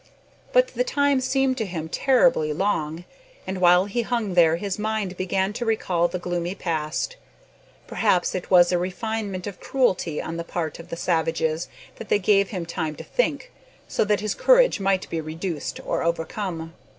But the time seemed to him terribly long, and while he hung there his mind began to recall the gloomy past. Perhaps it was a refinement of cruelty on the part of the savages that they gave him time to think, so that his courage might be reduced or overcome.